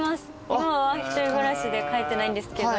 今は１人暮らしで飼えてないんですけど。